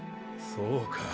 そうか。